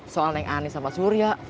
soal nenek ani sama surya